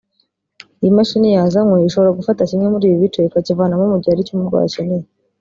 Iyi mashini yazanywe ishobora gufata kimwe muri ibi bice ikakivanamo mu gihe aricyo umurwayi akeneye